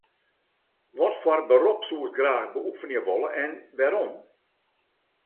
Watfoar berop soest graach beoefenje wolle en wêrom?